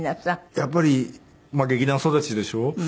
やっぱり劇団育ちでしょ。